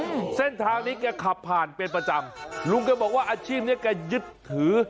อืมเส้นทางนี้แกขับผ่านเป็นประจำลุงแกบอกว่าอาชีพเนี้ยแกยึดถือ